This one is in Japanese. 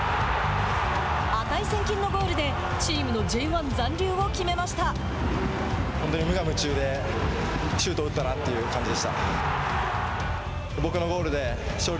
値千金のゴールでチームのＪ１残留を決めました。